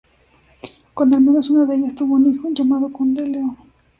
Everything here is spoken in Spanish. Con al menos una de ellas tuvo un hijo, el llamado Conde León.